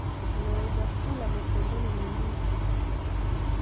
unaweza kula matembele na ndizi